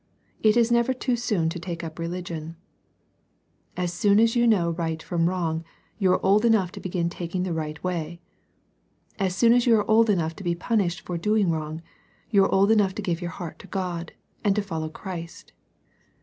It is never too soon to take up religion. As soon as you know right from wrong, you are old enough to begin taking the right way. As soon as you are old enough to be punished for doing wrong, you are old enough to give your Aeart to God, and to follow Christ.